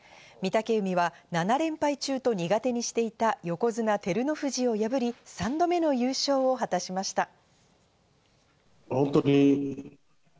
御嶽海は７連敗中と苦手にしていた横綱・照ノ富士を破り、３度目の優勝を果たしました。